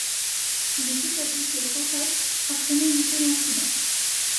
Il est établi que Rojas a prémédité l'incident.